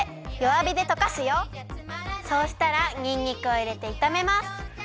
そうしたらにんにくをいれていためます。